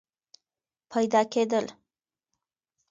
پیدا کېدل